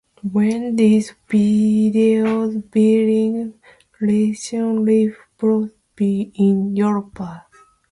When this video's being released I'll probably be in Europe.